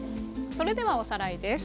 それではおさらいです。